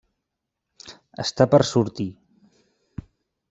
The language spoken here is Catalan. -Està per sortir…